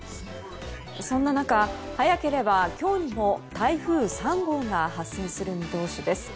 そんな中、早ければ今日にも台風３号が発生する見通しです。